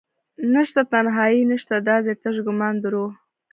نشته تنهایې نشته دادي تش ګمان دروح